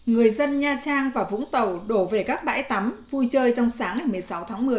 người dân nha trang và vũng tàu đổ về các bãi tắm vui chơi trong sáng ngày một mươi sáu tháng một mươi